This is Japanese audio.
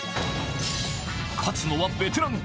勝つのはベテランか？